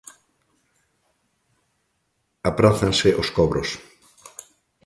Aprázanse os cobros.